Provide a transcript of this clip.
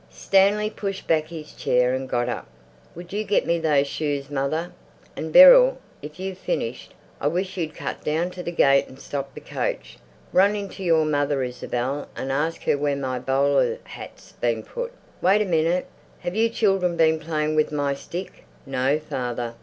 Stanley pushed back his chair and got up. "Would you get me those shoes, mother? And, Beryl, if you've finished, I wish you'd cut down to the gate and stop the coach. Run in to your mother, Isabel, and ask her where my bowler hat's been put. Wait a minute—have you children been playing with my stick?" "No, father!"